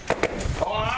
おい！